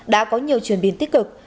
đã có nhiều chuyển biến tích cực